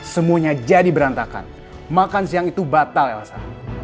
semuanya jadi berantakan makan siang itu batal elsa